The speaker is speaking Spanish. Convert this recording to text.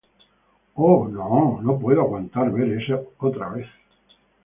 Oh, no, no puedo aguantar ver eso otra vez.